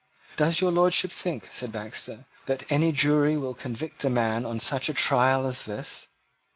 "Does your Lordship think," said Baxter, "that any jury will convict a man on such a trial as this?"